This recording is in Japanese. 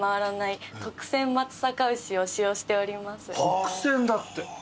特選だって。